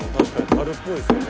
樽っぽいですよね。